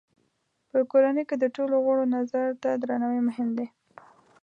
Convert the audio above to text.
په کورنۍ کې د ټولو غړو نظر ته درناوی مهم دی.